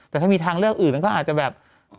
แต่ถ้ามีทางเลือกอื่นมันก็อาจจะแบบ